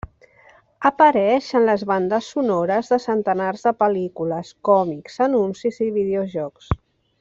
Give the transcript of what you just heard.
Apareix en les bandes sonores de centenars de pel·lícules, còmics, anuncis i videojocs.